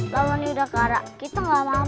lawan yudhacara kita nggak mampu lah nang